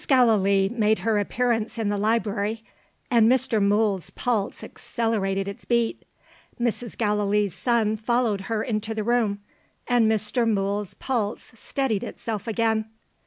Gallilee made her appearance in the library and Mr. Mool's pulse accelerated its beat. Mrs. Gallilee's son followed her into the room and Mr. Mool's pulse steadied itself again.